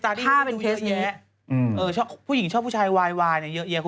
เพราะว่าเพศโมโทมีเคสตาดี้ที่ดูเยอะแยะ